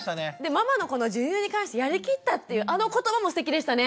ママのこの授乳に関してやりきったっていうあの言葉もすてきでしたね。